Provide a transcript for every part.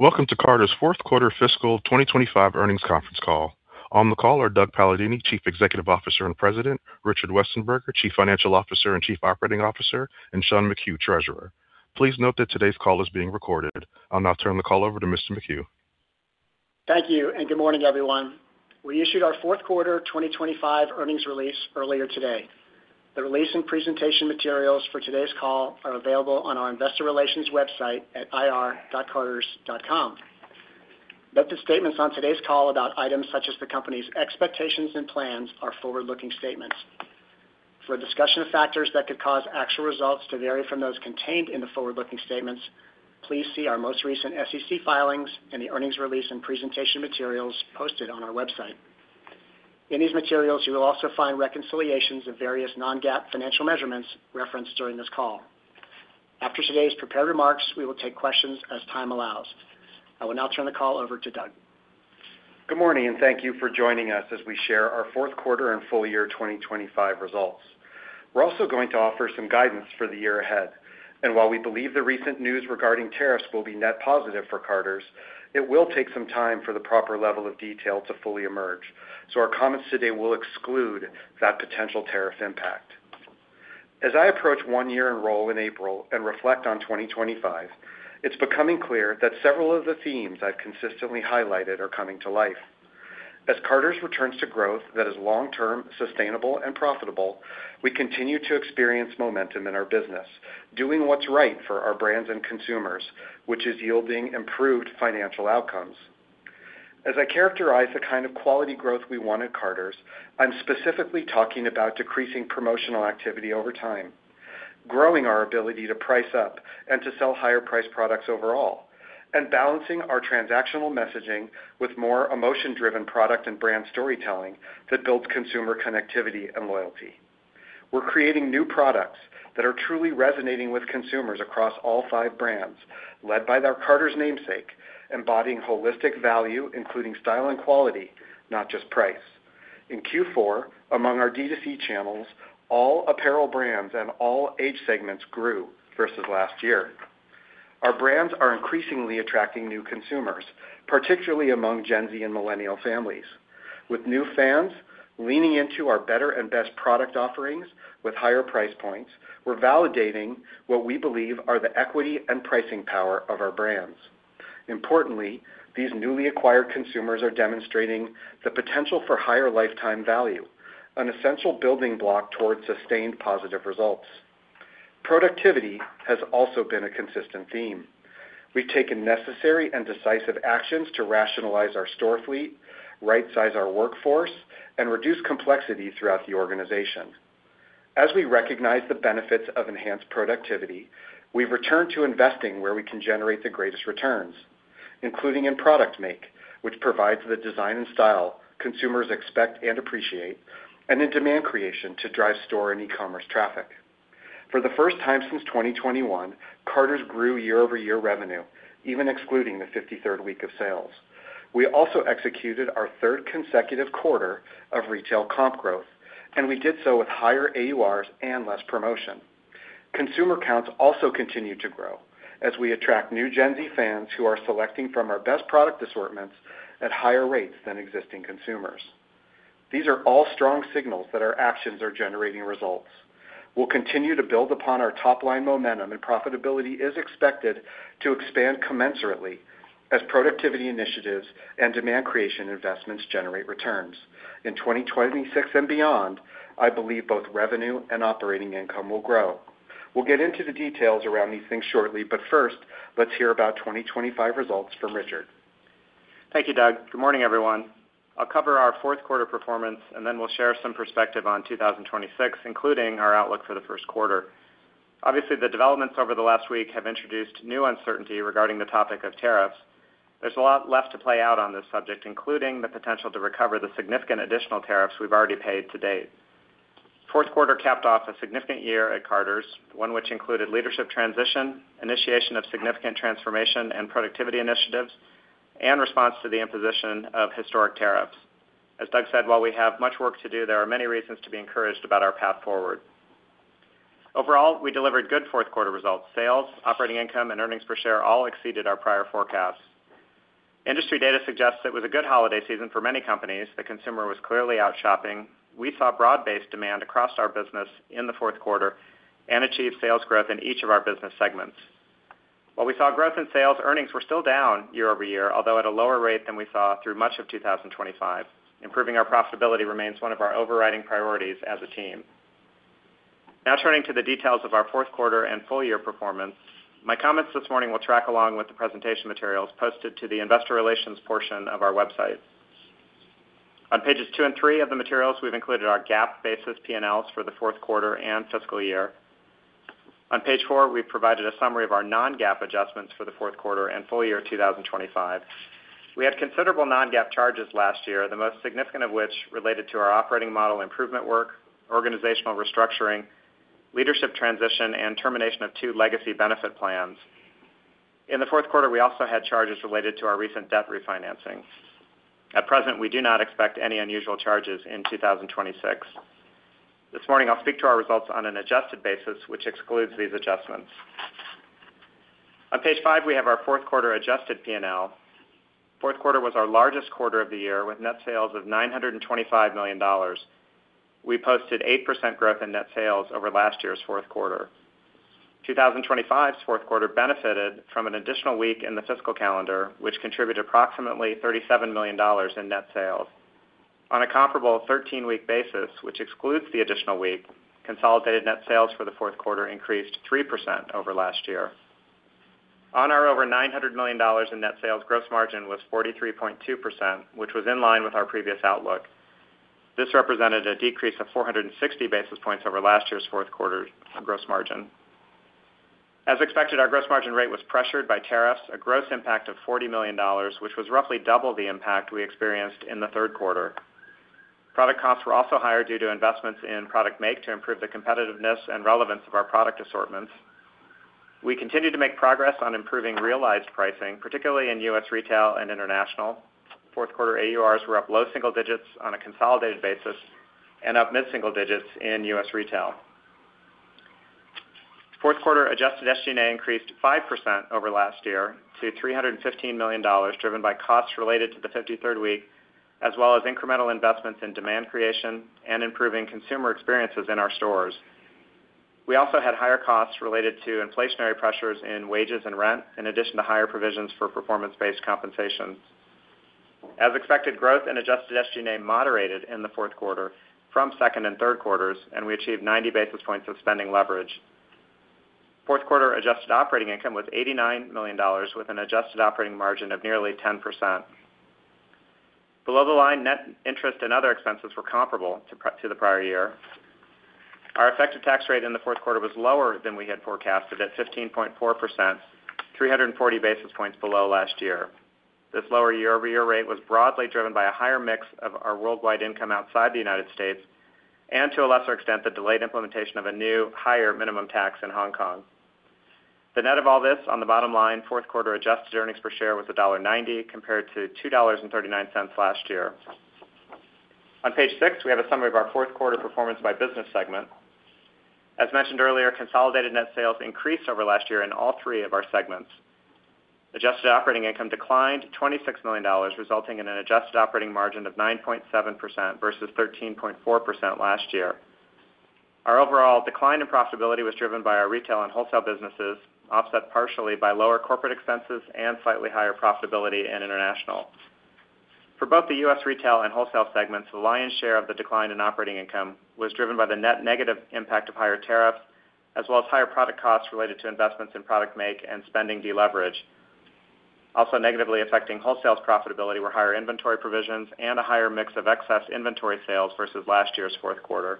Welcome to Carter's fourth quarter fiscal 2025 earnings conference call. On the call are Doug Palladini, Chief Executive Officer and President, Richard Westenberger, Chief Financial Officer and Chief Operating Officer, and Sean McHugh, Treasurer. Please note that today's call is being recorded. I'll now turn the call over to Mr. McHugh. Thank you. Good morning, everyone. We issued our fourth quarter 2025 earnings release earlier today. The release and presentation materials for today's call are available on our investor relations website at ir.carters.com. The statements on today's call about items such as the company's expectations and plans are forward-looking statements. For a discussion of factors that could cause actual results to vary from those contained in the forward-looking statements, please see our most recent S.E.C. filings and the earnings release and presentation materials posted on our website. In these materials, you will also find reconciliations of various non-GAAP financial measurements referenced during this call. After today's prepared remarks, we will take questions as time allows. I will now turn the call over to Doug. Good morning. Thank you for joining us as we share our fourth quarter and full year 2025 results. We're also going to offer some guidance for the year ahead, and while we believe the recent news regarding tariffs will be net positive for Carter's, it will take some time for the proper level of detail to fully emerge. Our comments today will exclude that potential tariff impact. As I approach one year in role in April and reflect on 2025, it's becoming clear that several of the themes I've consistently highlighted are coming to life. As Carter's returns to growth that is long-term, sustainable and profitable, we continue to experience momentum in our business, doing what's right for our brands and consumers, which is yielding improved financial outcomes. As I characterize the kind of quality growth we want at Carter's, I'm specifically talking about decreasing promotional activity over time, growing our ability to price up and to sell higher-priced products overall, and balancing our transactional messaging with more emotion-driven product and brand storytelling that builds consumer connectivity and loyalty. We're creating new products that are truly resonating with consumers across all five brands, led by their Carter's namesake, embodying holistic value, including style and quality, not just price. In Q4, among our D2C channels, all apparel brands and all age segments grew versus last year. Our brands are increasingly attracting new consumers, particularly among Gen Z and millennial families. With new fans leaning into our better and best product offerings with higher price points, we're validating what we believe are the equity and pricing power of our brands. Importantly, these newly acquired consumers are demonstrating the potential for higher lifetime value, an essential building block towards sustained positive results. Productivity has also been a consistent theme. We've taken necessary and decisive actions to rationalize our store fleet, rightsize our workforce, and reduce complexity throughout the organization. As we recognize the benefits of enhanced productivity, we've returned to investing where we can generate the greatest returns, including in product make, which provides the design and style consumers expect and appreciate, and in demand creation to drive store and e-commerce traffic. For the first time since 2021, Carter's grew year-over-year revenue, even excluding the 53rd week of sales. We also executed our third consecutive quarter of retail comp growth, and we did so with higher AURs and less promotion. Consumer counts also continue to grow as we attract new Gen Z fans who are selecting from our best product assortments at higher rates than existing consumers. These are all strong signals that our actions are generating results. We'll continue to build upon our top-line momentum, and profitability is expected to expand commensurately as productivity initiatives and demand creation investments generate returns. In 2026 and beyond, I believe both revenue and operating income will grow. We'll get into the details around these things shortly, but first, let's hear about 2025 results from Richard. Thank you, Doug. Good morning, everyone. I'll cover our fourth quarter performance, and then we'll share some perspective on 2026, including our outlook for the first quarter. Obviously, the developments over the last week have introduced new uncertainty regarding the topic of tariffs. There's a lot left to play out on this subject, including the potential to recover the significant additional tariffs we've already paid to date. Fourth quarter capped off a significant year at Carter's, one which included leadership transition, initiation of significant transformation and productivity initiatives, and response to the imposition of historic tariffs. As Doug said, while we have much work to do, there are many reasons to be encouraged about our path forward. Overall, we delivered good fourth quarter results. Sales, operating income and earnings per share all exceeded our prior forecasts. Industry data suggests it was a good holiday season for many companies. The consumer was clearly out shopping. We saw broad-based demand across our business in the fourth quarter and achieved sales growth in each of our business segments. While we saw growth in sales, earnings were still down year-over-year, although at a lower rate than we saw through much of 2025. Improving our profitability remains one of our overriding priorities as a team. Turning to the details of our fourth quarter and full-year performance. My comments this morning will track along with the presentation materials posted to the investor relations portion of our website. On pages 2 and 3 of the materials, we've included our GAAP basis P&Ls for the fourth quarter and fiscal year. On page 4, we provided a summary of our non-GAAP adjustments for the fourth quarter and full year 2025. We had considerable non-GAAP charges last year, the most significant of which related to our operating model improvement work, organizational restructuring, leadership transition, and termination of 2 legacy benefit plans. In the fourth quarter, we also had charges related to our recent debt refinancing. At present, we do not expect any unusual charges in 2026. This morning, I'll speak to our results on an adjusted basis, which excludes these adjustments. On page 5, we have our fourth quarter adjusted P&L. Fourth quarter was our largest quarter of the year, with net sales of $925 million. We posted 8% growth in net sales over last year's fourth quarter. 2025's fourth quarter benefited from an additional week in the fiscal calendar, which contributed approximately $37 million in net sales. On a comparable 13-week basis, which excludes the additional week, consolidated net sales for the fourth quarter increased 3% over last year. On our over $900 million in net sales, gross margin was 43.2%, which was in line with our previous outlook. This represented a decrease of 460 basis points over last year's fourth quarter gross margin. As expected, our gross margin rate was pressured by tariffs, a gross impact of $40 million, which was roughly double the impact we experienced in the third quarter. Product costs were also higher due to investments in product make to improve the competitiveness and relevance of our product assortments. We continued to make progress on improving realized pricing, particularly in U.S. retail and international. Fourth quarter AURs were up low single digits on a consolidated basis and up mid-single digits in U.S. retail. Fourth quarter adjusted SG&A increased 5% over last year to $315 million, driven by costs related to the 53rd week, as well as incremental investments in demand creation and improving consumer experiences in our stores. We also had higher costs related to inflationary pressures in wages and rent, in addition to higher provisions for performance-based compensations. As expected, growth in adjusted SG&A moderated in the fourth quarter from second and third quarters, and we achieved 90 basis points of spending leverage. Fourth quarter adjusted operating income was $89 million, with an adjusted operating margin of nearly 10%. Below the line, net interest and other expenses were comparable to the prior year. Our effective tax rate in the fourth quarter was lower than we had forecasted, at 15.4%, 340 basis points below last year. This lower year-over-year rate was broadly driven by a higher mix of our worldwide income outside the United States and, to a lesser extent, the delayed implementation of a new, higher minimum tax in Hong Kong. The net of all this, on the bottom line, fourth quarter adjusted earnings per share was $1.90, compared to $2.39 last year. On page 6, we have a summary of our fourth quarter performance by business segment. As mentioned earlier, consolidated net sales increased over last year in all three of our segments. Adjusted operating income declined $26 million, resulting in an adjusted operating margin of 9.7% versus 13.4% last year. Our overall decline in profitability was driven by our retail and wholesale businesses, offset partially by lower corporate expenses and slightly higher profitability in international. For both the U.S. retail and wholesale segments, the lion's share of the decline in operating income was driven by the net negative impact of higher tariffs, as well as higher product costs related to investments in product make and spending deleverage. Also negatively affecting wholesale's profitability were higher inventory provisions and a higher mix of excess inventory sales versus last year's fourth quarter.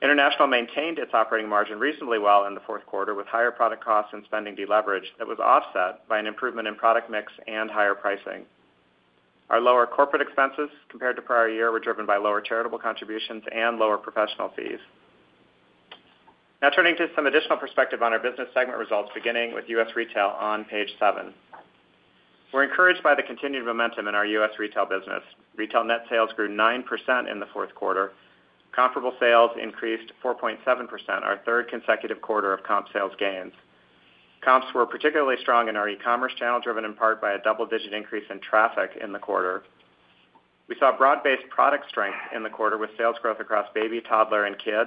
International maintained its operating margin reasonably well in the fourth quarter, with higher product costs and spending deleverage that was offset by an improvement in product mix and higher pricing. Our lower corporate expenses compared to prior year were driven by lower charitable contributions and lower professional fees. Turning to some additional perspective on our business segment results, beginning with U.S. retail on page seven. We're encouraged by the continued momentum in our U.S. retail business. Retail net sales grew 9% in the fourth quarter. Comparable sales increased 4.7%, our third consecutive quarter of comp sales gains. Comps were particularly strong in our e-commerce channel, driven in part by a double-digit increase in traffic in the quarter. We saw broad-based product strength in the quarter, with sales growth across baby, toddler, and kid.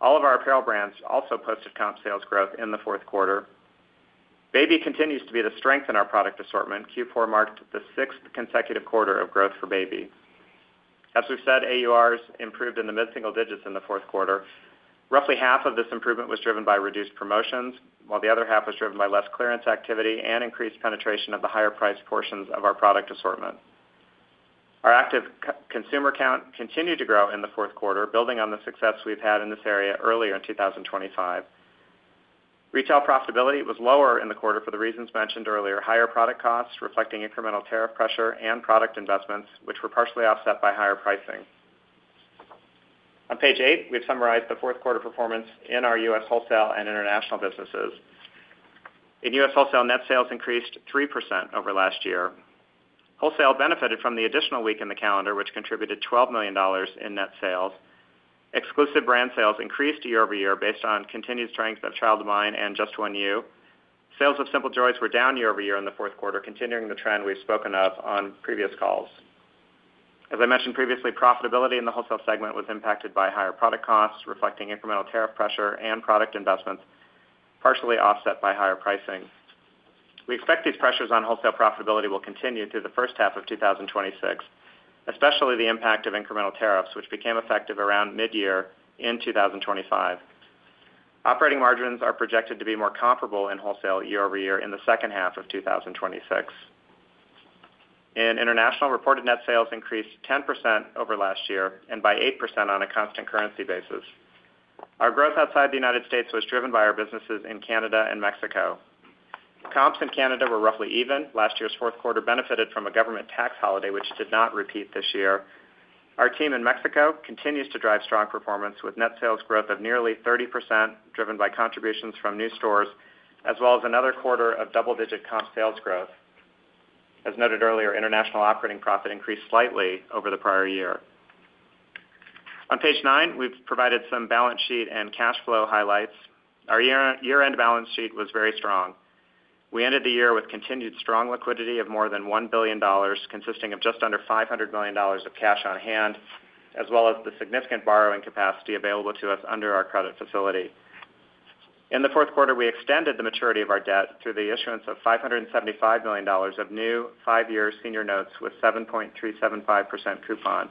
All of our apparel brands also posted comp sales growth in the fourth quarter. Baby continues to be the strength in our product assortment. Q4 marked the sixth consecutive quarter of growth for baby. As we've said, AURs improved in the mid-single digits in the fourth quarter. Roughly half of this improvement was driven by reduced promotions, while the other half was driven by less clearance activity and increased penetration of the higher-priced portions of our product assortment. Our active consumer count continued to grow in the fourth quarter, building on the success we've had in this area earlier in 2025. Retail profitability was lower in the quarter for the reasons mentioned earlier: higher product costs, reflecting incremental tariff pressure and product investments, which were partially offset by higher pricing. On page 8, we've summarized the fourth quarter performance in our U.S. wholesale and international businesses. In U.S. wholesale, net sales increased 3% over last year. Wholesale benefited from the additional week in the calendar, which contributed $12 million in net sales. Exclusive brand sales increased year-over-year based on continued strength of Child of Mine and Just One You. Sales of Simple Joys were down year-over-year in the fourth quarter, continuing the trend we've spoken of on previous calls. As I mentioned previously, profitability in the wholesale segment was impacted by higher product costs, reflecting incremental tariff pressure and product investments, partially offset by higher pricing. We expect these pressures on wholesale profitability will continue through the first half of 2026, especially the impact of incremental tariffs, which became effective around mid-year in 2025. Operating margins are projected to be more comparable in wholesale year-over-year in the second half of 2026. In international, reported net sales increased 10% over last year and by 8% on a constant currency basis. Our growth outside the United States was driven by our businesses in Canada and Mexico. Comps in Canada were roughly even. Last year's fourth quarter benefited from a government tax holiday, which did not repeat this year. Our team in Mexico continues to drive strong performance, with net sales growth of nearly 30%, driven by contributions from new stores, as well as another quarter of double-digit comp sales growth. As noted earlier, international operating profit increased slightly over the prior year. On page 9, we've provided some balance sheet and cash flow highlights. Our year-end balance sheet was very strong. We ended the year with continued strong liquidity of more than $1 billion, consisting of just under $500 million of cash on hand, as well as the significant borrowing capacity available to us under our credit facility. In the fourth quarter, we extended the maturity of our debt through the issuance of $575 million of new 5-year senior notes with 7.375% coupon.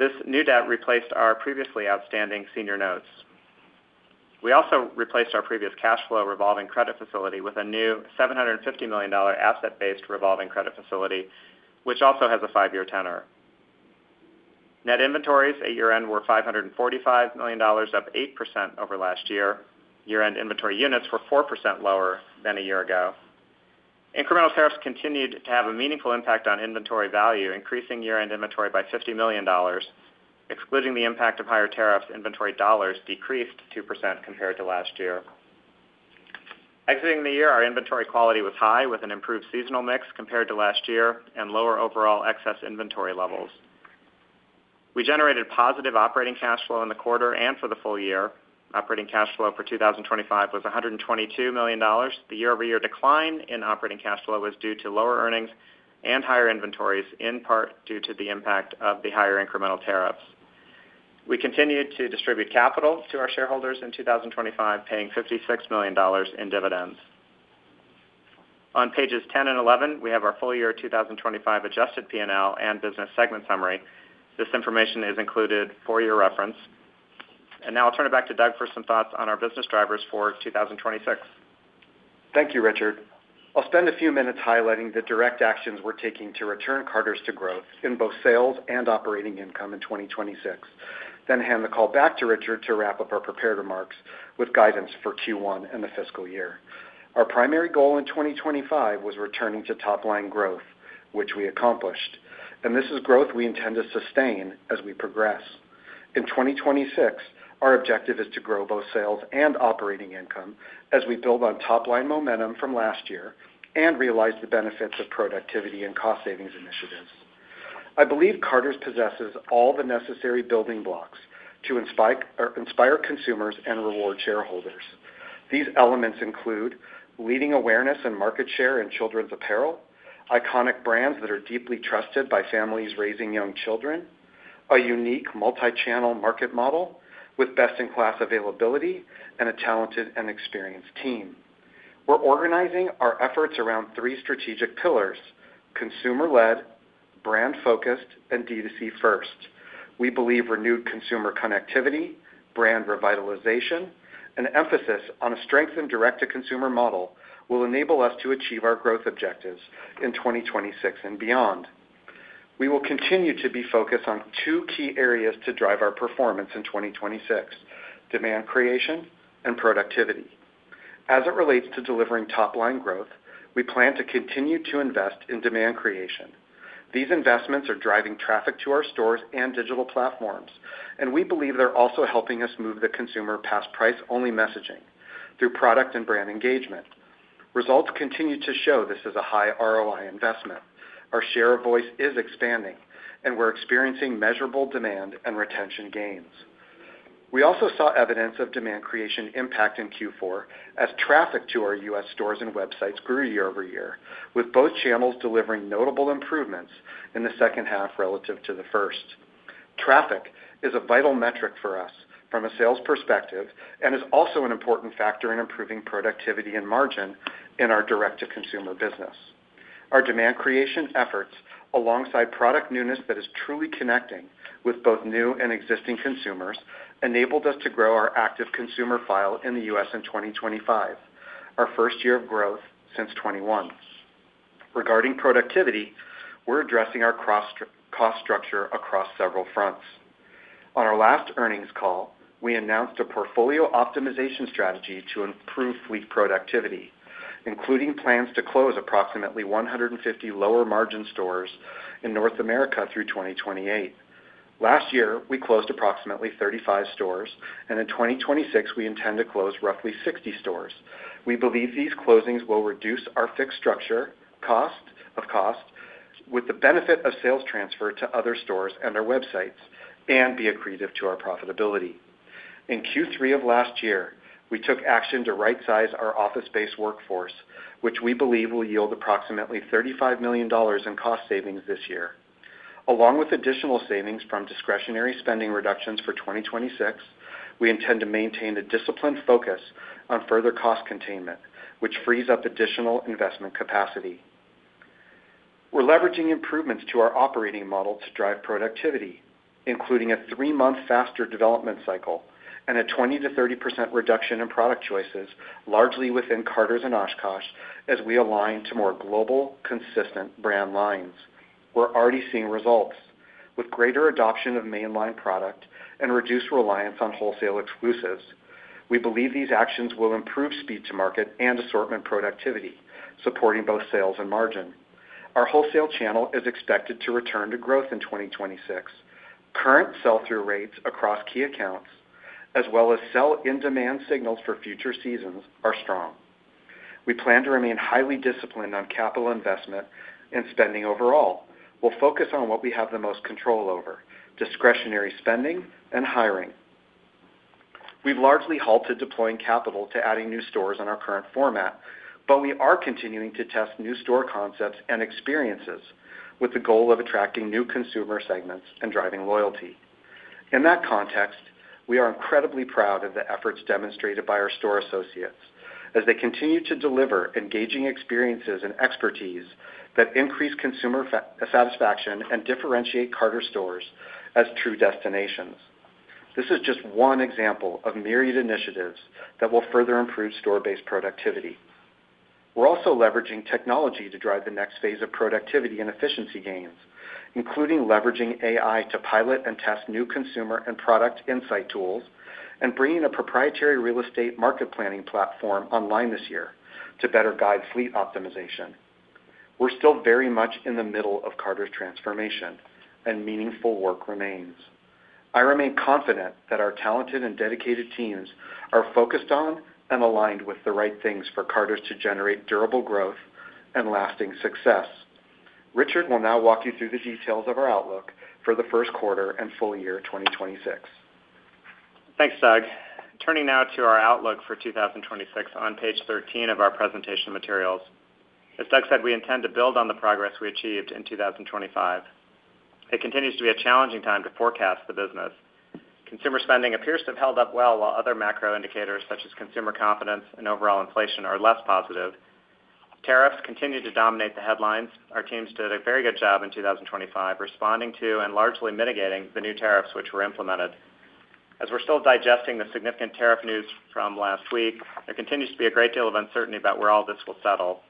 This new debt replaced our previously outstanding senior notes. We also replaced our previous cash flow revolving credit facility with a new $750 million asset-based revolving credit facility, which also has a 5-year tenor. Net inventories at year-end were $545 million, up 8% over last year. Year-end inventory units were 4% lower than a year ago. Incremental tariffs continued to have a meaningful impact on inventory value, increasing year-end inventory by $50 million. Excluding the impact of higher tariffs, inventory dollars decreased 2% compared to last year. Exiting the year, our inventory quality was high, with an improved seasonal mix compared to last year and lower overall excess inventory levels. We generated positive operating cash flow in the quarter and for the full year. Operating cash flow for 2025 was $122 million. The year-over-year decline in operating cash flow was due to lower earnings and higher inventories, in part due to the impact of the higher incremental tariffs. We continued to distribute capital to our shareholders in 2025, paying $56 million in dividends. On pages 10 and 11, we have our full year 2025 adjusted PNL and business segment summary. This information is included for your reference. Now I'll turn it back to Doug for some thoughts on our business drivers for 2026. Thank you, Richard. I'll spend a few minutes highlighting the direct actions we're taking to return Carter's to growth in both sales and operating income in 2026, then hand the call back to Richard to wrap up our prepared remarks with guidance for Q1 and the fiscal year. Our primary goal in 2025 was returning to top-line growth, which we accomplished, and this is growth we intend to sustain as we progress. In 2026, our objective is to grow both sales and operating income as we build on top-line momentum from last year and realize the benefits of productivity and cost savings initiatives. I believe Carter's possesses all the necessary building blocks to inspire consumers and reward shareholders. These elements include leading awareness and market share in children's apparel, iconic brands that are deeply trusted by families raising young children, a unique multi-channel market model with best-in-class availability and a talented and experienced team. We're organizing our efforts around three strategic pillars: consumer-led, brand-focused, and D2C first. We believe renewed consumer connectivity, brand revitalization, and emphasis on a strengthened direct-to-consumer model will enable us to achieve our growth objectives in 2026 and beyond. We will continue to be focused on two key areas to drive our performance in 2026: demand creation and productivity. As it relates to delivering top-line growth, we plan to continue to invest in demand creation. These investments are driving traffic to our stores and digital platforms, and we believe they're also helping us move the consumer past price-only messaging through product and brand engagement. Results continue to show this is a high ROI investment. Our share of voice is expanding, and we're experiencing measurable demand and retention gains. We also saw evidence of demand creation impact in Q4 as traffic to our U.S. stores and websites grew year-over-year, with both channels delivering notable improvements in the second half relative to the first. Traffic is a vital metric for us from a sales perspective and is also an important factor in improving productivity and margin in our direct-to-consumer business. Our demand creation efforts, alongside product newness that is truly connecting with both new and existing consumers, enabled us to grow our active consumer file in the U.S. in 2025, our first year of growth since 2021. Regarding productivity, we're addressing our cost structure across several fronts. On our last earnings call, we announced a portfolio optimization strategy to improve fleet productivity, including plans to close approximately 150 lower-margin stores in North America through 2028. Last year, we closed approximately 35 stores. In 2026, we intend to close roughly 60 stores. We believe these closings will reduce our fixed structure, cost, with the benefit of sales transfer to other stores and our websites and be accretive to our profitability. In Q3 of last year, we took action to rightsize our office-based workforce, which we believe will yield approximately $35 million in cost savings this year, along with additional savings from discretionary spending reductions for 2026, we intend to maintain a disciplined focus on further cost containment, which frees up additional investment capacity. We're leveraging improvements to our operating model to drive productivity, including a 3-month faster development cycle and a 20%-30% reduction in product choices, largely within Carter's and Oshkosh, as we align to more global, consistent brand lines. We're already seeing results. With greater adoption of mainline product and reduced reliance on wholesale exclusives, we believe these actions will improve speed to market and assortment productivity, supporting both sales and margin. Our wholesale channel is expected to return to growth in 2026. Current sell-through rates across key accounts, as well as sell in-demand signals for future seasons, are strong. We plan to remain highly disciplined on capital investment and spending overall. We'll focus on what we have the most control over, discretionary spending and hiring. We've largely halted deploying capital to adding new stores in our current format. We are continuing to test new store concepts and experiences with the goal of attracting new consumer segments and driving loyalty. In that context, we are incredibly proud of the efforts demonstrated by our store associates as they continue to deliver engaging experiences and expertise that increase consumer satisfaction and differentiate Carter's stores as true destinations. This is just one example of myriad initiatives that will further improve store-based productivity. We're also leveraging technology to drive the next phase of productivity and efficiency gains, including leveraging AI to pilot and test new consumer and product insight tools, and bringing a proprietary real estate market planning platform online this year to better guide fleet optimization. We're still very much in the middle of Carter's transformation, and meaningful work remains. I remain confident that our talented and dedicated teams are focused on and aligned with the right things for Carter's to generate durable growth and lasting success. Richard will now walk you through the details of our outlook for the first quarter and full year 2026. Thanks, Doug. Turning now to our outlook for 2026 on page 13 of our presentation materials. As Doug said, we intend to build on the progress we achieved in 2025. It continues to be a challenging time to forecast the business. Consumer spending appears to have held up well, while other macro indicators, such as consumer confidence and overall inflation, are less positive. Tariffs continue to dominate the headlines. Our teams did a very good job in 2025, responding to and largely mitigating the new tariffs which were implemented. As we're still digesting the significant tariff news from last week, there continues to be a great deal of uncertainty about where all this will settle.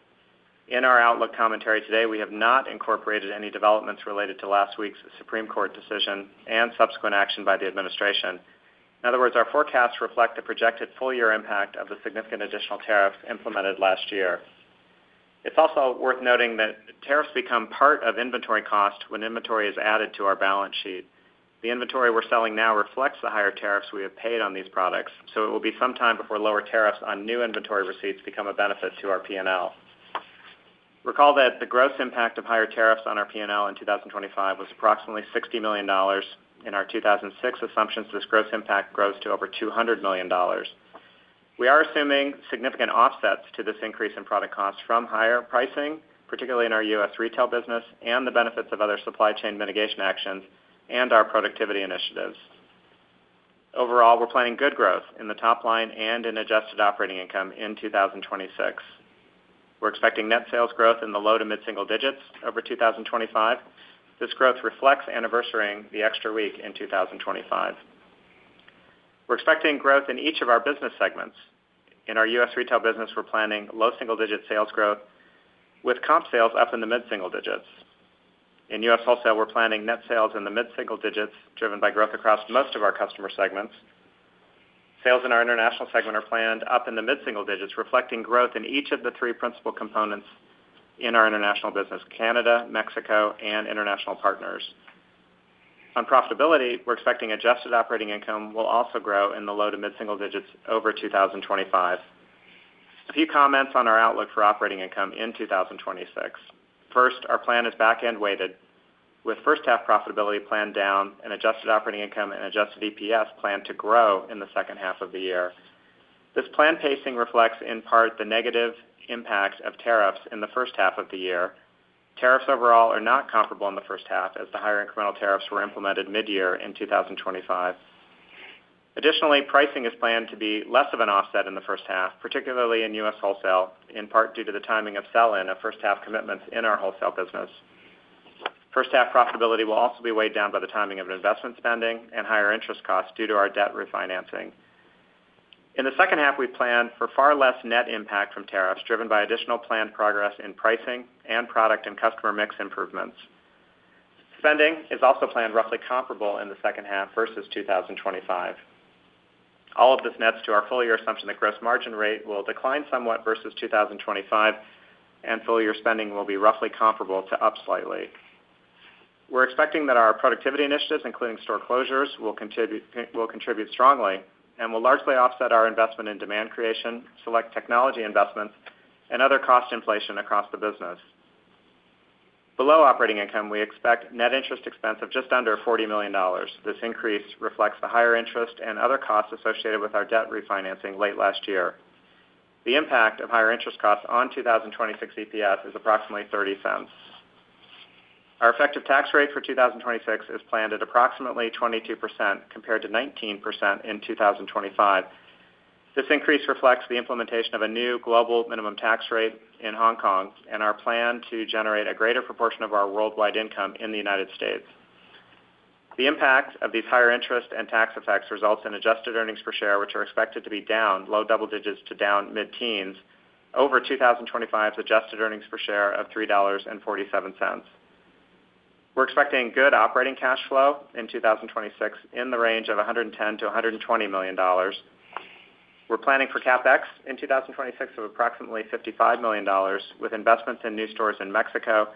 In our outlook commentary today, we have not incorporated any developments related to last week's Supreme Court decision and subsequent action by the administration. In other words, our forecasts reflect the projected full year impact of the significant additional tariffs implemented last year. It's also worth noting that tariffs become part of inventory cost when inventory is added to our balance sheet. The inventory we're selling now reflects the higher tariffs we have paid on these products, so it will be sometime before lower tariffs on new inventory receipts become a benefit to our P&L. Recall that the gross impact of higher tariffs on our P&L in 2025 was approximately $60 million. In our 2006 assumptions, this gross impact grows to over $200 million. We are assuming significant offsets to this increase in product costs from higher pricing, particularly in our U.S. retail business, and the benefits of other supply chain mitigation actions and our productivity initiatives. Overall, we're planning good growth in the top line and in adjusted operating income in 2026. We're expecting net sales growth in the low to mid-single digits over 2025. This growth reflects anniversarying the extra week in 2025. We're expecting growth in each of our business segments. In our U.S. retail business, we're planning low single-digit sales growth, with comp sales up in the mid-single digits. In U.S. wholesale, we're planning net sales in the mid-single digits, driven by growth across most of our customer segments. Sales in our international segment are planned up in the mid-single digits, reflecting growth in each of the three principal components in our international business, Canada, Mexico, and international partners. On profitability, we're expecting adjusted operating income will also grow in the low to mid-single digits over 2025. A few comments on our outlook for operating income in 2026. Our plan is back-end weighted, with first half profitability planned down and adjusted operating income and adjusted EPS planned to grow in the second half of the year. This planned pacing reflects, in part, the negative impacts of tariffs in the first half of the year. Tariffs overall are not comparable in the first half, as the higher incremental tariffs were implemented mid-year in 2025. Additionally, pricing is planned to be less of an offset in the first half, particularly in U.S. wholesale, in part due to the timing of sell-in of first half commitments in our wholesale business. First half profitability will also be weighed down by the timing of investment spending and higher interest costs due to our debt refinancing. In the second half, we plan for far less net impact from tariffs, driven by additional planned progress in pricing and product and customer mix improvements. Spending is also planned roughly comparable in the second half versus 2025. All of this nets to our full year assumption that gross margin rate will decline somewhat versus 2025, and full year spending will be roughly comparable to up slightly. We're expecting that our productivity initiatives, including store closures, will contribute strongly and will largely offset our investment in demand creation, select technology investments, and other cost inflation across the business. Below operating income, we expect net interest expense of just under $40 million. This increase reflects the higher interest and other costs associated with our debt refinancing late last year. The impact of higher interest costs on 2026 EPS is approximately $0.30. Our effective tax rate for 2026 is planned at approximately 22%, compared to 19% in 2025. This increase reflects the implementation of a new global minimum tax rate in Hong Kong and our plan to generate a greater proportion of our worldwide income in the United States. The impact of these higher interest and tax effects results in adjusted earnings per share, which are expected to be down low double digits to down mid-teens over 2025's adjusted earnings per share of $3.47. We're expecting good operating cash flow in 2026 in the range of $110 million-$120 million. We're planning for CapEx in 2026 of approximately $55 million, with investments in new stores in Mexico,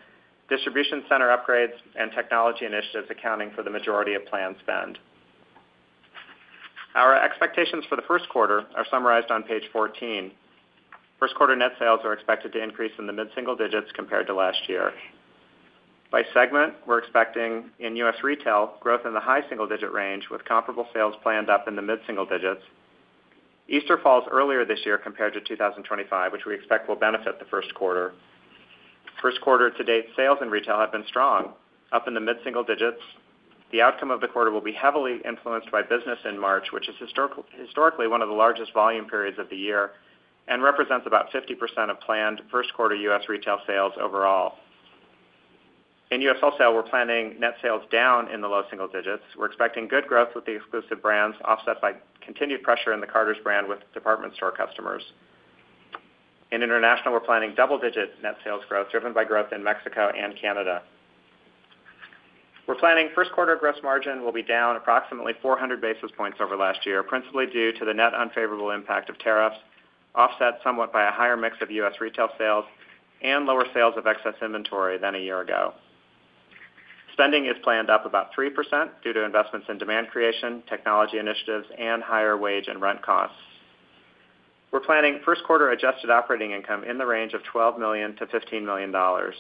distribution center upgrades, and technology initiatives accounting for the majority of planned spend. Our expectations for the first quarter are summarized on page 14. First quarter net sales are expected to increase in the mid-single digits compared to last year. By segment, we're expecting, in U.S. retail, growth in the high single-digit range, with comparable sales planned up in the mid-single digits. Easter falls earlier this year compared to 2025, which we expect will benefit the first quarter. First quarter to date, sales and retail have been strong, up in the mid-single digits. The outcome of the quarter will be heavily influenced by business in March, which is historically one of the largest volume periods of the year and represents about 50% of planned first quarter U.S. retail sales overall. In U.S. wholesale, we're planning net sales down in the low single digits. We're expecting good growth with the exclusive brands, offset by continued pressure in the Carter's brand with department store customers. In international, we're planning double-digit net sales growth, driven by growth in Mexico and Canada. We're planning first quarter gross margin will be down approximately 400 basis points over last year, principally due to the net unfavorable impact of tariffs, offset somewhat by a higher mix of U.S. retail sales and lower sales of excess inventory than a year ago. Spending is planned up about 3% due to investments in demand creation, technology initiatives, and higher wage and rent costs. We're planning first quarter adjusted operating income in the range of $12 million-$15 million. Below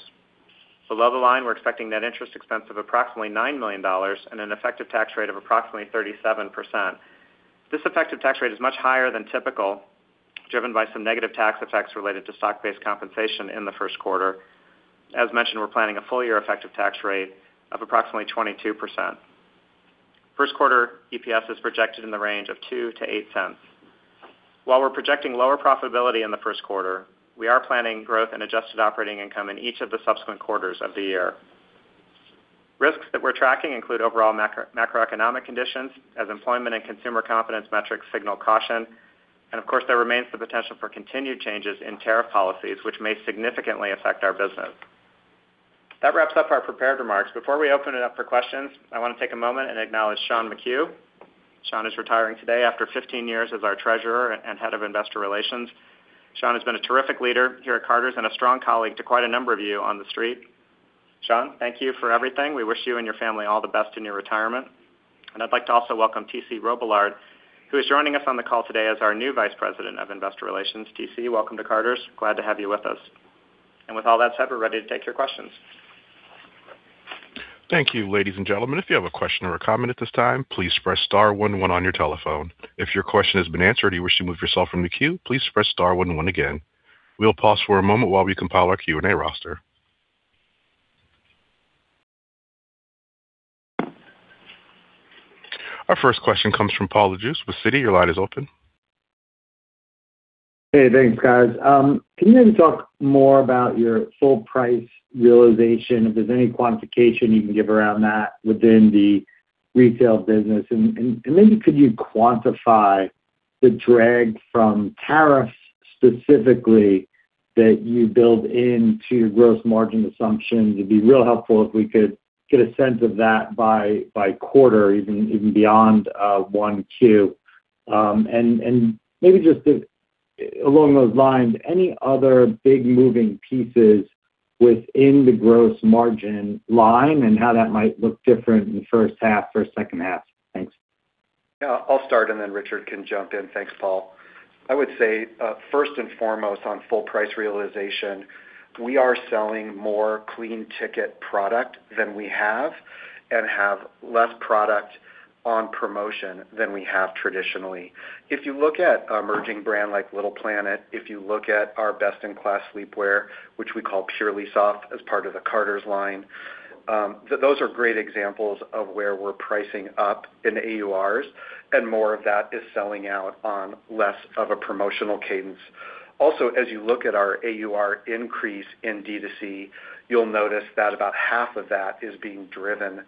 the line, we're expecting net interest expense of approximately $9 million and an effective tax rate of approximately 37%. This effective tax rate is much higher than typical, driven by some negative tax effects related to stock-based compensation in the first quarter. As mentioned, we're planning a full year effective tax rate of approximately 22%. First quarter EPS is projected in the range of $0.02-$0.08. While we're projecting lower profitability in the first quarter, we are planning growth and adjusted operating income in each of the subsequent quarters of the year. Risks that we're tracking include overall macro, macroeconomic conditions as employment and consumer confidence metrics signal caution. Of course, there remains the potential for continued changes in tariff policies, which may significantly affect our business. That wraps up our prepared remarks. Before we open it up for questions, I wanna take a moment and acknowledge Sean McHugh. Sean is retiring today after 15 years as our treasurer and head of investor relations. Sean has been a terrific leader here at Carter's and a strong colleague to quite a number of you on the street. Sean, thank you for everything. We wish you and your family all the best in your retirement. I'd like to also welcome TC Robillard, who is joining us on the call today as our new Vice President of Investor Relations. TC, welcome to Carter's. Glad to have you with us. With all that said, we're ready to take your questions. Thank you. Ladies and gentlemen, if you have a question or a comment at this time, please press star one one on your telephone. If your question has been answered, or you wish to move yourself from the queue, please press star one one again. We'll pause for a moment while we compile our Q&A roster. Our first question comes from Paul Lejuez with Citi. Your line is open. Hey, thanks, guys. Can you maybe talk more about your full price realization, if there's any quantification you can give around that within the retail business? And maybe could you quantify the drag from tariffs, specifically, that you build into your gross margin assumptions? It'd be real helpful if we could get a sense of that by quarter, even beyond 1 Q. And maybe just along those lines, any other big moving pieces within the gross margin line and how that might look different in the first half versus second half? Thanks. I'll start, and then Richard can jump in. Thanks, Paul. I would say, first and foremost, on full price realization, we are selling more clean ticket product than we have and have less product on promotion than we have traditionally. If you look at an emerging brand like Little Planet, if you look at our best-in-class sleepwear, which we call Purely Soft, as part of the Carter's line, those are great examples of where we're pricing up in AURs, and more of that is selling out on less of a promotional cadence. As you look at our AUR increase in D2C, you'll notice that about half of that is being driven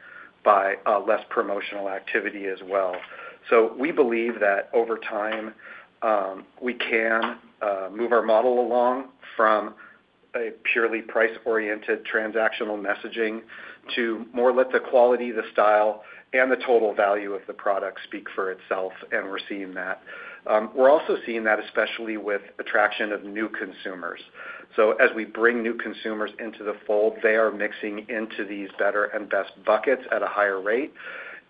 by less promotional activity as well. We believe that over time, we can move our model along from a purely price-oriented, transactional messaging to more let the quality, the style, and the total value of the product speak for itself, and we're seeing that. We're also seeing that, especially with attraction of new consumers. As we bring new consumers into the fold, they are mixing into these better and best buckets at a higher rate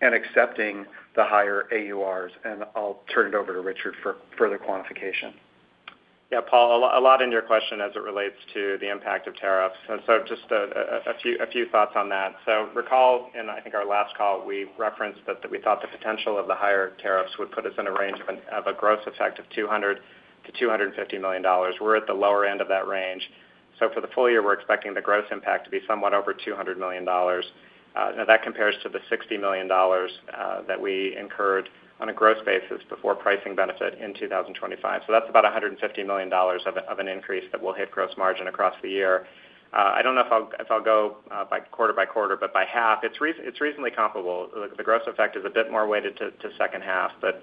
and accepting the higher AURs. I'll turn it over to Richard for further quantification. Yeah, Paul, a lot in your question as it relates to the impact of tariffs. Just a few thoughts on that. Recall, in I think our last call, we referenced that we thought the potential of the higher tariffs would put us in a range of a gross effect of $200 million-$250 million. We're at the lower end of that range. For the full year, we're expecting the gross impact to be somewhat over $200 million. Now that compares to the $60 million that we incurred on a gross basis before pricing benefit in 2025. That's about $150 million of an increase that will hit gross margin across the year. I don't know if I'll go by quarter by quarter, but by half, it's reasonably comparable. The gross effect is a bit more weighted to second half, but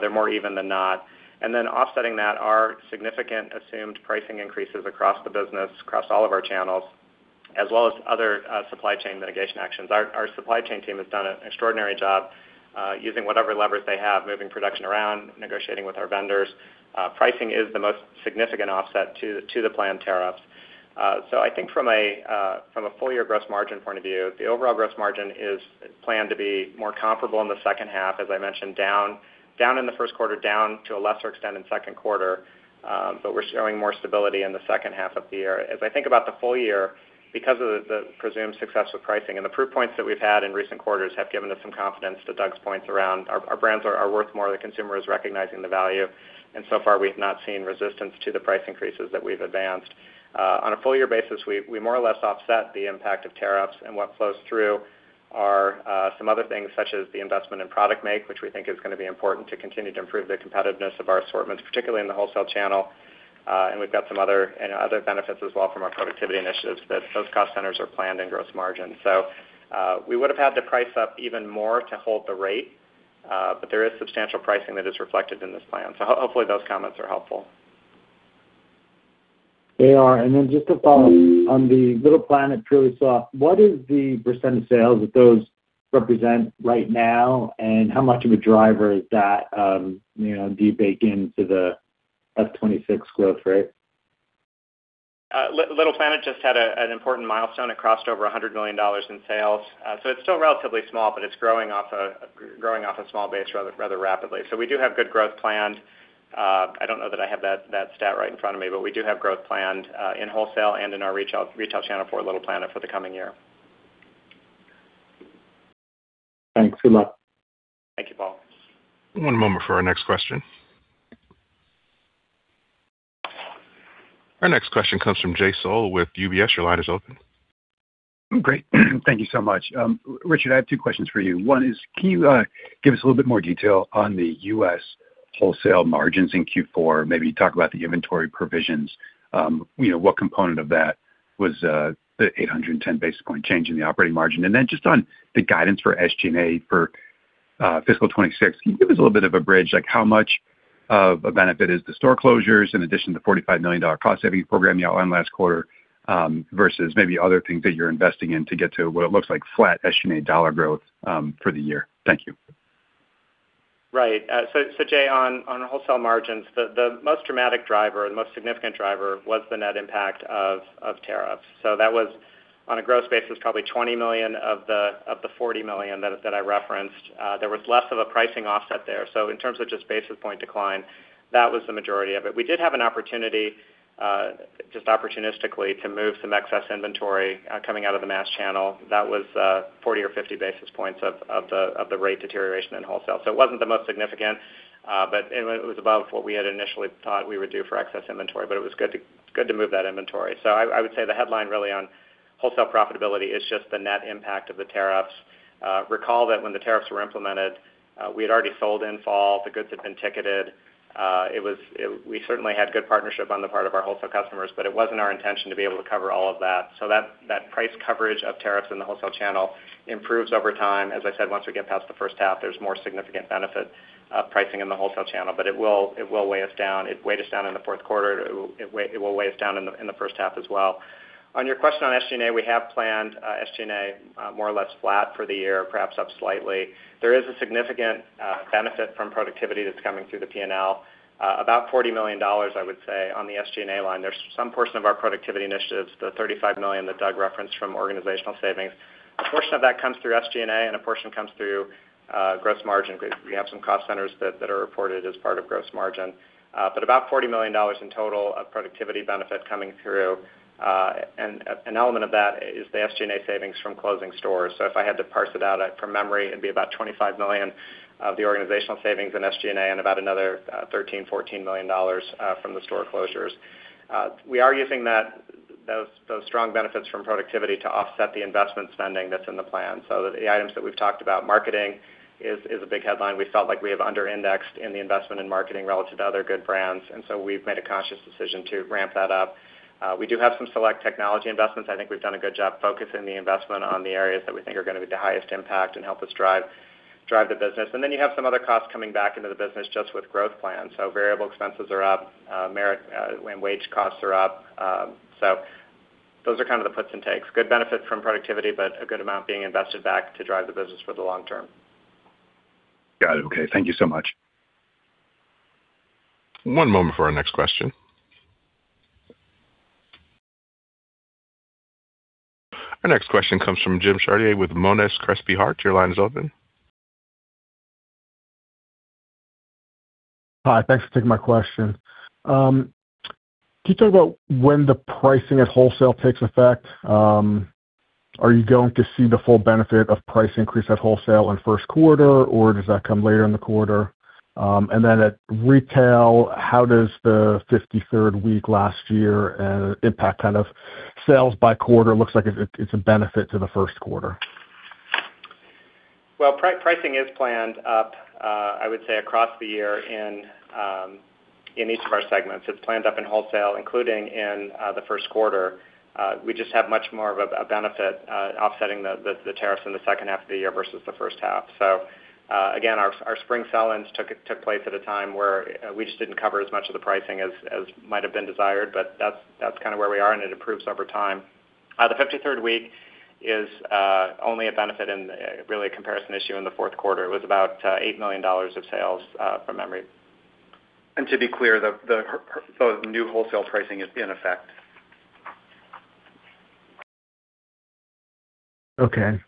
they're more even than not. Offsetting that are significant assumed pricing increases across the business, across all of our channels, as well as other supply chain mitigation actions. Our supply chain team has done an extraordinary job using whatever levers they have, moving production around, negotiating with our vendors. Pricing is the most significant offset to the planned tariffs. So I think from a full-year gross margin point of view, the overall gross margin is planned to be more comparable in the second half, as I mentioned, down in the first quarter, down to a lesser extent in second quarter, but we're showing more stability in the second half of the year. As I think about the full year, because of the presumed success with pricing and the proof points that we've had in recent quarters have given us some confidence to Doug's points around our brands are worth more, the consumer is recognizing the value. So far we've not seen resistance to the price increases that we've advanced. On a full year basis, we more or less offset the impact of tariffs. What flows through are some other things, such as the investment in product make, which we think is gonna be important to continue to improve the competitiveness of our assortments, particularly in the wholesale channel. We've got some other benefits as well from our productivity initiatives, that those cost centers are planned in gross margin. We would have had to price up even more to hold the rate, but there is substantial pricing that is reflected in this plan. Hopefully, those comments are helpful. They are. Just to follow up, on the Little Planet PurelySoft, what is the % of sales that those represent right now, and how much of a driver is that, you know, do you bake into the F26 growth rate? Little Planet just had an important milestone. It crossed over $100 million in sales. It's still relatively small, but it's growing off a small base rather rapidly. We do have good growth planned. I don't know that I have that stat right in front of me, but we do have growth planned in wholesale and in our retail channel for Little Planet for the coming year. Thanks a lot. Thank you, Paul. One moment for our next question. Our next question comes from Jay Sole with UBS. Your line is open. Great. Thank you so much. Richard, I have 2 questions for you. One is, can you give us a little bit more detail on the U.S. wholesale margins in Q4? Maybe talk about the inventory provisions, you know, what component of that was the 810 basis point change in the operating margin? Just on the guidance for SG&A for fiscal 2026, can you give us a little bit of a bridge, like how much of a benefit is the store closures in addition to $45 million cost saving program you outlined last quarter, versus maybe other things that you're investing in to get to what it looks like flat SG&A dollar growth for the year? Thank you. Right. so Jay, on wholesale margins, the most dramatic driver, the most significant driver was the net impact of tariffs. That was on a gross basis, probably $20 million of the $40 million that I referenced. There was less of a pricing offset there. In terms of just basis point decline, that was the majority of it. We did have an opportunity, just opportunistically, to move some excess inventory, coming out of the mass channel. That was 40 or 50 basis points of the rate deterioration in wholesale. It wasn't the most significant, but it was above what we had initially thought we would do for excess inventory, but it was good to move that inventory. I would say the headline really on wholesale profitability is just the net impact of the tariffs. Recall that when the tariffs were implemented, we had already sold in fall. The goods had been ticketed. We certainly had good partnership on the part of our wholesale customers, but it wasn't our intention to be able to cover all of that. That price coverage of tariffs in the wholesale channel improves over time. As I said, once we get past the first half, there's more significant benefit, pricing in the wholesale channel, but it will weigh us down. It weighed us down in the fourth quarter. It will weigh us down in the first half as well. On your question on SG&A, we have planned SG&A more or less flat for the year, perhaps up slightly. There is a significant benefit from productivity that's coming through the P&L. About $40 million, I would say, on the SG&A line. There's some portion of our productivity initiatives, the $35 million that Doug referenced from organizational savings. A portion of that comes through SG&A, and a portion comes through gross margin. We have some cost centers that are reported as part of gross margin, but about $40 million in total of productivity benefit coming through. And an element of that is the SG&A savings from closing stores. If I had to parse it out, from memory, it'd be about $25 million of the organizational savings in SG&A and about another $13 million-$14 million from the store closures. We are using those strong benefits from productivity to offset the investment spending that's in the plan. The items that we've talked about, marketing is a big headline. We felt like we have underindexed in the investment in marketing relative to other good brands, we've made a conscious decision to ramp that up. We do have some select technology investments. I think we've done a good job focusing the investment on the areas that we think are going to be the highest impact and help us drive the business. You have some other costs coming back into the business just with growth plans. Variable expenses are up, merit, and wage costs are up. Those are kind of the puts and takes. Good benefit from productivity, a good amount being invested back to drive the business for the long term. Got it. Okay. Thank you so much. One moment for our next question. Our next question comes from Jim Chartier with Monness, Crespi, Hardt. Your line is open. Hi, thanks for taking my question. Can you talk about when the pricing at wholesale takes effect? Are you going to see the full benefit of price increase at wholesale in first quarter, or does that come later in the quarter? At retail, how does the 53rd week last year impact kind of sales by quarter? It looks like it's a benefit to the first quarter. Pricing is planned up, I would say, across the year in each of our segments. It's planned up in wholesale, including in the first quarter. We just have much more of a benefit offsetting the tariffs in the second half of the year versus the first half. Again, our spring sell-ins took place at a time where we just didn't cover as much of the pricing as might have been desired, but that's kind of where we are, and it improves over time. The 53rd week is only a benefit in really a comparison issue in the fourth quarter. It was about $8 million of sales from memory. To be clear, the new wholesale pricing is in effect. Okay.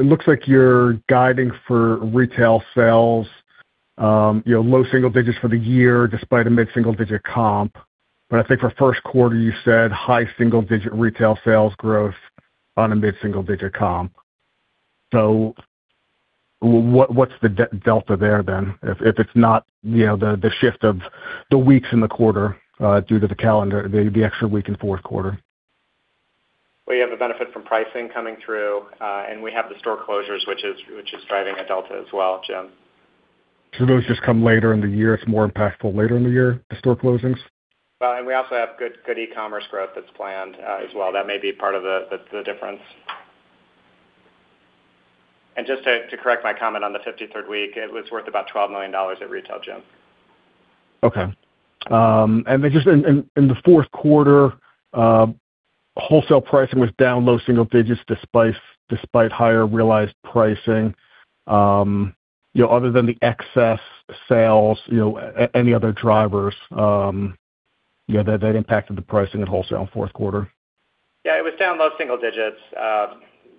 It looks like you're guiding for retail sales, you know, low single digits for the year, despite a mid-single digit comp. I think for first quarter, you said high single digit retail sales growth on a mid-single digit comp. What's the delta there then? If it's not, you know, the shift of the weeks in the quarter, due to the calendar, the extra week in fourth quarter. Well, you have the benefit from pricing coming through, and we have the store closures, which is driving a delta as well, Jim. Those just come later in the year. It's more impactful later in the year, the store closings? We also have good e-commerce growth that's planned as well. That may be part of the difference. Just to correct my comment on the 53rd week, it was worth about $12 million at retail, Jim. Just in the fourth quarter, wholesale pricing was down low single digits, despite higher realized pricing. You know, other than the excess sales, you know, any other drivers, you know, that impacted the pricing at wholesale in fourth quarter? Yeah, it was down low single digits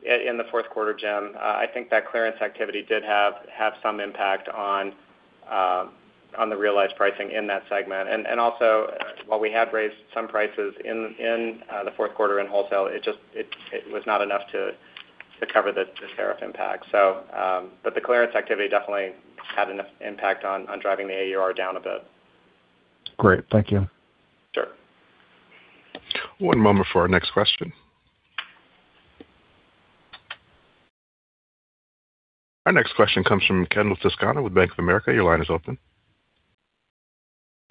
in the fourth quarter, Jim. I think that clearance activity did have some impact on the realized pricing in that segment. Also, while we had raised some prices in the fourth quarter in wholesale, it was not enough to cover the tariff impact. But the clearance activity definitely had an impact on driving the AUR down a bit. Great. Thank you. Sure. One moment for our next question. Our next question comes from Christopher Nardone with Bank of America. Your line is open.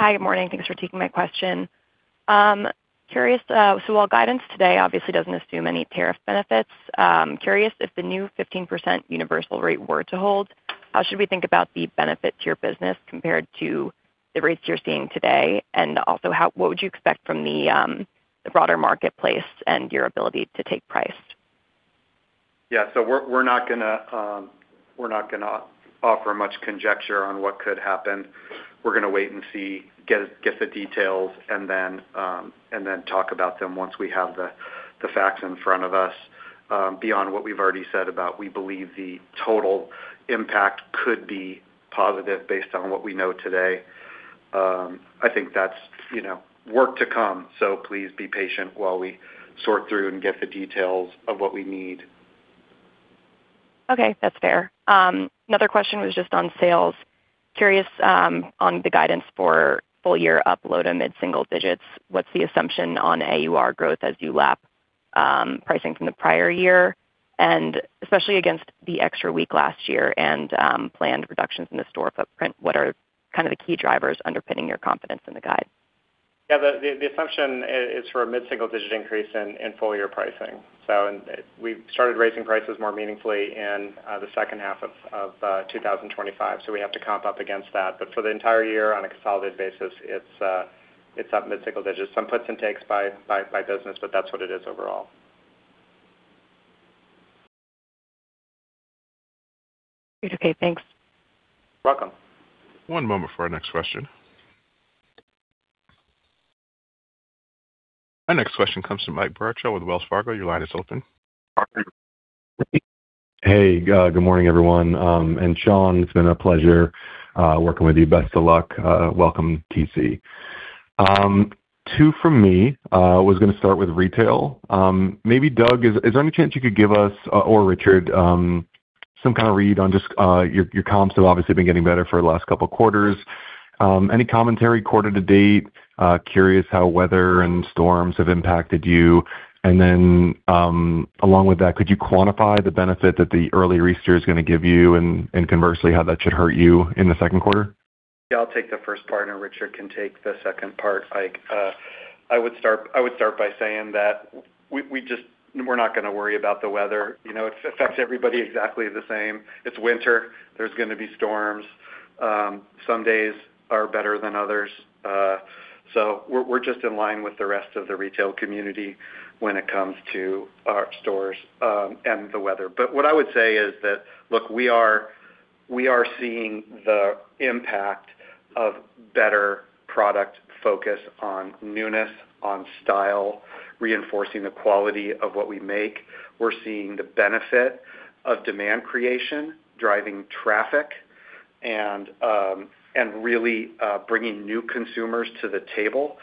Hi, good morning. Thanks for taking my question. Curious, so while guidance today obviously doesn't assume any tariff benefits, curious if the new 15% universal rate were to hold, how should we think about the benefit to your business compared to the rates you're seeing today? Also, what would you expect from the broader marketplace and your ability to take price? We're not gonna offer much conjecture on what could happen. We're gonna wait and see, get the details and then talk about them once we have the facts in front of us, beyond what we've already said about, we believe the total impact could be positive based on what we know today. I think that's, you know, work to come, please be patient while we sort through and get the details of what we need. Okay, that's fair. Another question was just on sales. Curious, on the guidance for full year up, low to mid single digits, what's the assumption on AUR growth as you lap pricing from the prior year? Especially against the extra week last year and planned reductions in the store footprint, what are kind of the key drivers underpinning your confidence in the guide? Yeah, the assumption is for a mid-single digit increase in full year pricing. We started raising prices more meaningfully in the second half of 2025, so we have to comp up against that. For the entire year, on a consolidated basis, it's up mid-single digits. Some puts and takes by business, but that's what it is overall. Okay, thanks. Welcome. One moment for our next question. Our next question comes from Ike Boruchow with Wells Fargo. Your line is open. Hey, good morning, everyone. Sean, it's been a pleasure working with you. Best of luck, welcome, TC. 2 from me, was gonna start with retail. Maybe Doug, is there any chance you could give us, or Richard, some kind of read on just, your comps have obviously been getting better for the last couple of quarters. Any commentary quarter to date, curious how weather and storms have impacted you. Along with that, could you quantify the benefit that the early Easter is gonna give you and conversely, how that should hurt you in the second quarter? I'll take the first part, and Richard can take the second part, Ike. I would start by saying that we're not gonna worry about the weather. You know, it affects everybody exactly the same. It's winter. There's gonna be storms. Some days are better than others. So we're just in line with the rest of the retail community when it comes to our stores, and the weather. What I would say is that, look, we are, we are seeing the impact of better product focus on newness, on style, reinforcing the quality of what we make. We're seeing the benefit of demand creation, driving traffic, and really, bringing new consumers to the table.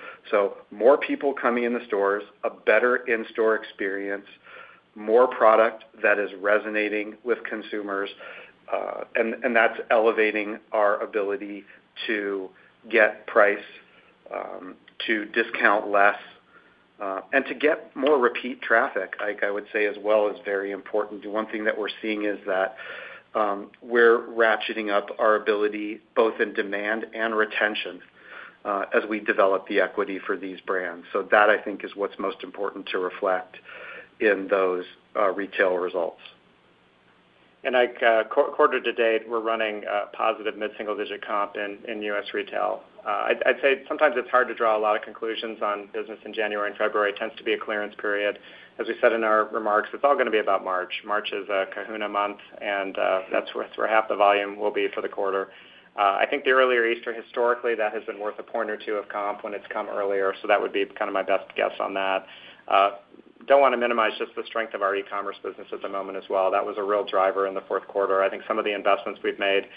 More people coming in the stores, a better in-store experience, more product that is resonating with consumers, and that's elevating our ability to get price, to discount less, and to get more repeat traffic. Like I would say as well, is very important. One thing that we're seeing is that, we're ratcheting up our ability, both in demand and retention, as we develop the equity for these brands. That, I think, is what's most important to reflect in those retail results. Like, quarter to date, we're running positive mid-single-digit comp in U.S. retail. I'd say sometimes it's hard to draw a lot of conclusions on business in January and February, it tends to be a clearance period. As we said in our remarks, it's all gonna be about March. March is a "kahuna" month. That's where half the volume will be for the quarter. I think the earlier Easter, historically, that has been worth a point or two of comp when it's come earlier, so that would be kind of my best guess on that. Don't wanna minimize just the strength of our e-commerce business at the moment as well. That was a real driver in the fourth quarter. I think some of the investments we've made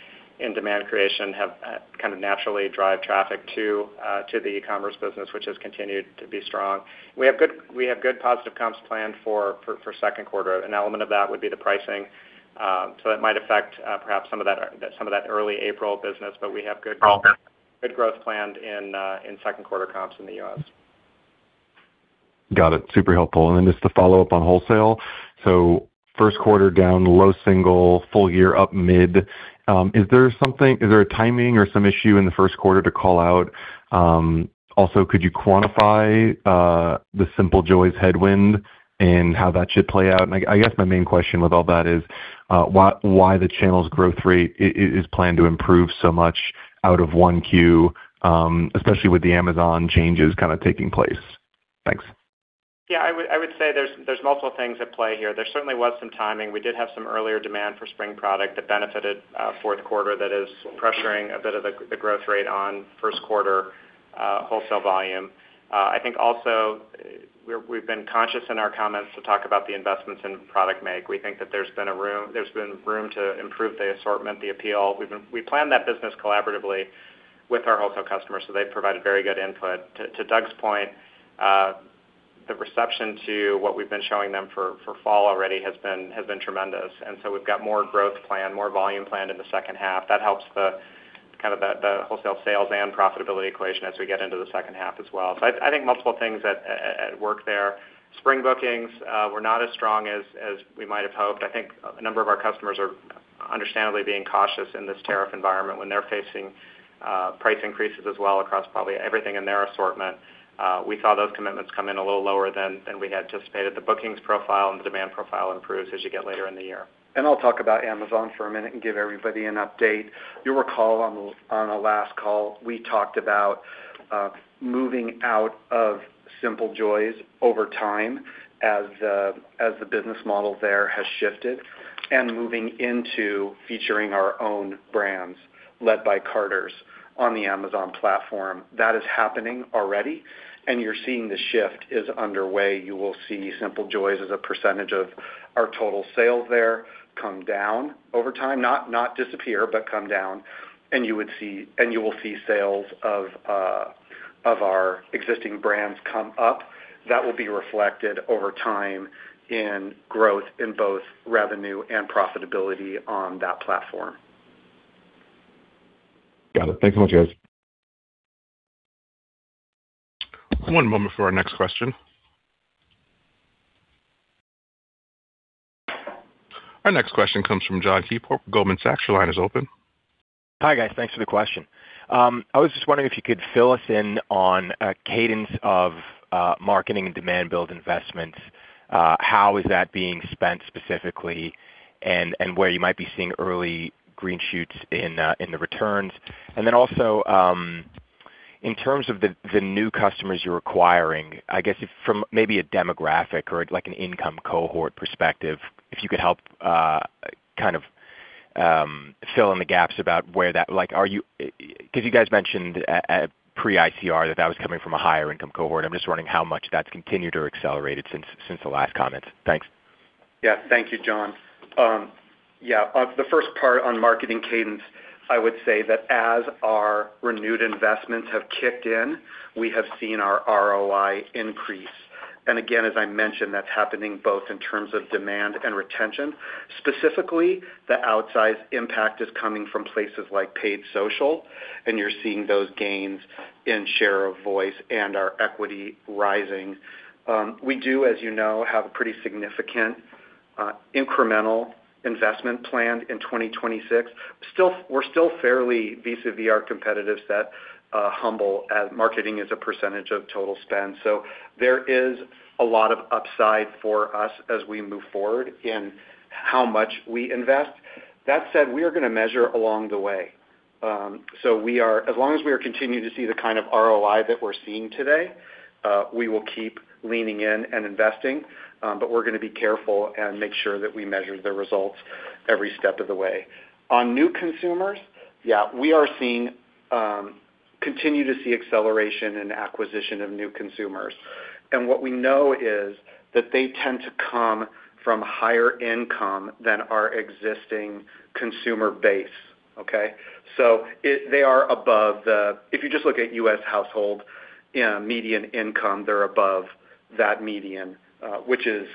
in demand creation have kind of naturally drive traffic to the e-commerce business, which has continued to be strong. We have good positive comps planned for second quarter. An element of that would be the pricing, so that might affect, perhaps some of that early April business, but we have good growth planned in second quarter comps in the U.S. Got it. Super helpful. Just to follow up on wholesale, so first quarter down low single, full year up mid. Is there a timing or some issue in the first quarter to call out? Also, could you quantify the Simple Joys headwind and how that should play out? I guess my main question with all that is, why the channel's growth rate is planned to improve so much out of 1 Q, especially with the Amazon changes kind of taking place? Thanks. I would say there's multiple things at play here. There certainly was some timing. We did have some earlier demand for spring product that benefited fourth quarter that is pressuring a bit of the growth rate on first quarter wholesale volume. I think also, we've been conscious in our comments to talk about the investments in product make. We think that there's been room to improve the assortment, the appeal. We plan that business collaboratively with our wholesale customers, so they've provided very good input. To Doug's point, the reception to what we've been showing them for fall already has been tremendous. We've got more growth planned, more volume planned in the second half. That helps the, kind of the wholesale sales and profitability equation as we get into the second half as well. I think multiple things at work there. Spring bookings were not as strong as we might have hoped. I think a number of our customers are understandably being cautious in this tariff environment when they're facing price increases as well across probably everything in their assortment. We saw those commitments come in a little lower than we had anticipated. The bookings profile and the demand profile improves as you get later in the year. I'll talk about Amazon for a minute and give everybody an update. You'll recall on the, on our last call, we talked about moving out of Simple Joys over time as the business model there has shifted, and moving into featuring our own brands, led by Carter's, on the Amazon platform. That is happening already, and you're seeing the shift is underway. You will see Simple Joys as a percentage of our total sales there come down over time, not disappear, but come down, and you will see sales of our existing brands come up. That will be reflected over time in growth in both revenue and profitability on that platform. Got it. Thanks so much, guys. One moment for our next question. Our next question comes from Jon Keypour, Goldman Sachs. Your line is open. Hi, guys. Thanks for the question. I was just wondering if you could fill us in on a cadence of marketing and demand build investments, how is that being spent specifically, and where you might be seeing early green shoots in the returns? Then also, in terms of the new customers you're acquiring, I guess if from maybe a demographic or, like, an income cohort perspective, if you could help kind of fill in the gaps about where that, like, are you because you guys mentioned at pre-ICR that that was coming from a higher income cohort. I'm just wondering how much that's continued or accelerated since the last comments. Thanks. Yeah. Thank you, Jon. On the first part, on marketing cadence, I would say that as our renewed investments have kicked in, we have seen our ROI increase. Again, as I mentioned, that's happening both in terms of demand and retention. Specifically, the outsized impact is coming from places like paid social, and you're seeing those gains in share of voice and our equity rising. We do, as you know, have a pretty significant incremental investment planned in 2026. We're still fairly vis-a-vis our competitive set, humble as marketing is a percentage of total spend. There is a lot of upside for us as we move forward in how much we invest. That said, we are gonna measure along the way. As long as we are continuing to see the kind of ROI that we're seeing today, we will keep leaning in and investing, but we're gonna be careful and make sure that we measure the results every step of the way. On new consumers, yeah, we are seeing, continue to see acceleration and acquisition of new consumers. What we know is that they tend to come from higher income than our existing consumer base, okay? If you just look at U.S. household, you know, median income, they're above that median, which is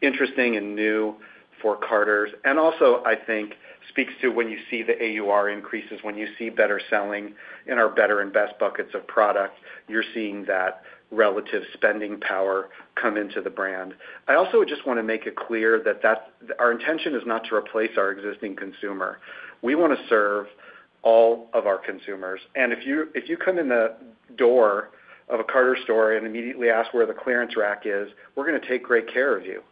interesting and new for Carter's, and also, I think, speaks to when you see the AUR increases, when you see better selling in our better and best buckets of product, you're seeing that relative spending power come into the brand. I also just wanna make it clear that our intention is not to replace our existing consumer. We wanna serve all of our consumers. If you, if you come in the door of a Carter's store and immediately ask where the clearance rack is, we're gonna take great care of you.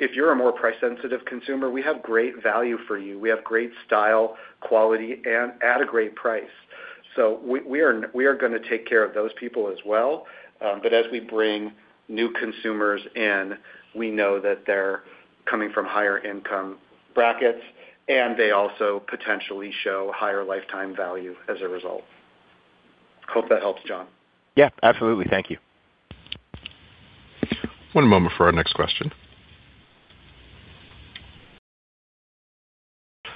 If you're a more price-sensitive consumer, we have great value for you. We have great style, quality, and at a great price. We are gonna take care of those people as well. As we bring new consumers in, we know that they're coming from higher income brackets, and they also potentially show higher lifetime value as a result. Hope that helps, Jon. Yeah, absolutely. Thank you. One moment for our next question.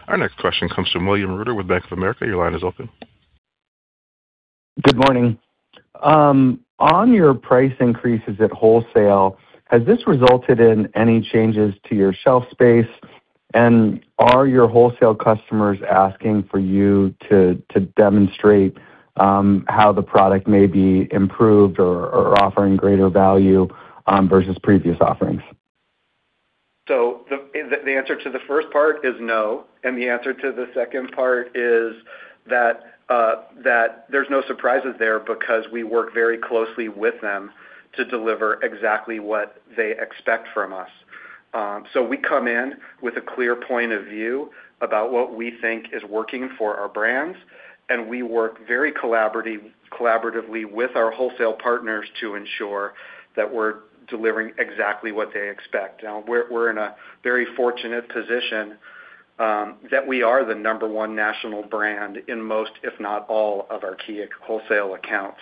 Our next question comes from William Reuter with Bank of America. Your line is open. Good morning. On your price increases at wholesale, has this resulted in any changes to your shelf space? Are your wholesale customers asking for you to demonstrate how the product may be improved or offering greater value versus previous offerings? The answer to the first part is no, and the answer to the second part is that there's no surprises there because we work very closely with them to deliver exactly what they expect from us. We come in with a clear point of view about what we think is working for our brands, and we work very collaboratively with our wholesale partners to ensure that we're delivering exactly what they expect. Now, we're in a very fortunate position that we are the number one national brand in most, if not all, of our key wholesale accounts.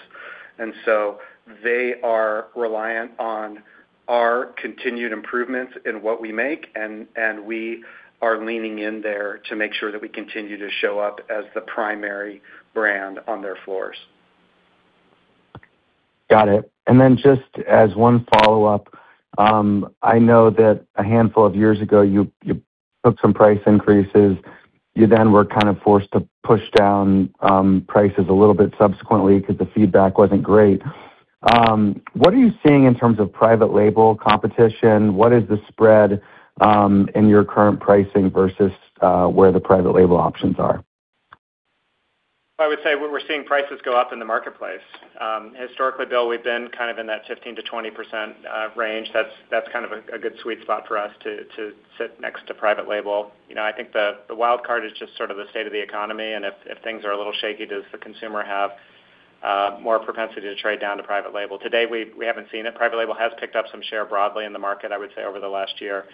They are reliant on our continued improvements in what we make, and we are leaning in there to make sure that we continue to show up as the primary brand on their floors. Got it. Just as one follow-up, I know that a handful of years ago, you took some price increases. You were kind of forced to push down prices a little bit subsequently because the feedback wasn't great. What are you seeing in terms of private label competition? What is the spread in your current pricing versus where the private label options are? I would say we're seeing prices go up in the marketplace. Historically, Bill, we've been kind of in that 15%-20% range. That's kind of a good sweet spot for us to sit next to private label. You know, I think the wild card is just sort of the state of the economy, and if things are a little shaky, does the consumer have more propensity to trade down to private label? Today, we haven't seen it. Private label has picked up some share broadly in the market, I would say, over the last year.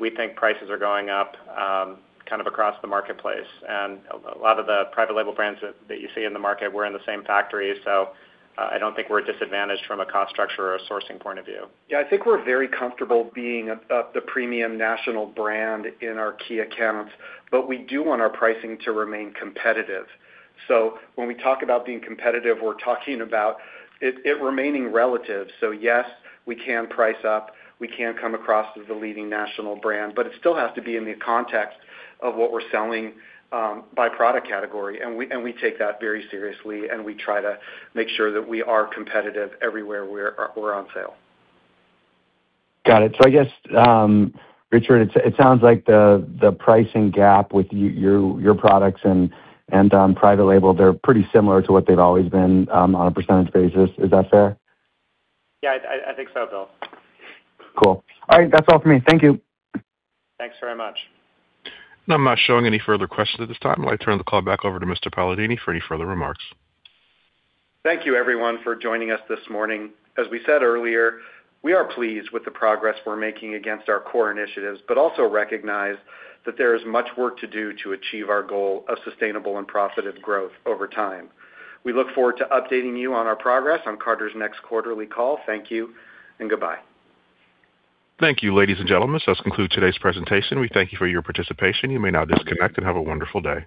We think prices are going up kind of across the marketplace. A lot of the private label brands that you see in the market, we're in the same factory, so I don't think we're disadvantaged from a cost structure or a sourcing point of view. I think we're very comfortable being at the premium national brand in our key accounts, but we do want our pricing to remain competitive. When we talk about being competitive, we're talking about it remaining relative. Yes, we can price up, we can come across as the leading national brand, but it still has to be in the context of what we're selling by product category. We take that very seriously, and we try to make sure that we are competitive everywhere we're on sale. Got it. I guess, Richard, it sounds like the pricing gap with your products and private label, they're pretty similar to what they've always been, on a percentage basis, is that fair? Yeah, I think so, Bill. Cool. All right. That's all for me. Thank you. Thanks very much. I'm not showing any further questions at this time. I'd like to turn the call back over to Douglas Palladini for any further remarks. Thank you, everyone, for joining us this morning. As we said earlier, we are pleased with the progress we're making against our core initiatives, but also recognize that there is much work to do to achieve our goal of sustainable and profited growth over time. We look forward to updating you on our progress on Carter's next quarterly call. Thank you and goodbye. Thank you, ladies and gentlemen. This does conclude today's presentation. We thank you for your participation. You may now disconnect and have a wonderful day.